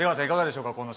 いかがでしょうか？